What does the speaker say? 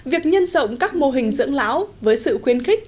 việc nhân rộng các mô hình dưỡng lão với sự khuyến khích